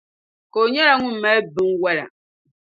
Ka o nyɛla ŋun mali binwola.